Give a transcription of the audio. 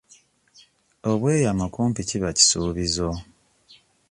Obweyamo kumpi kiba kisuubizo.